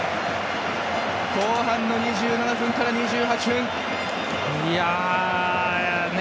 後半の２７分から２８分。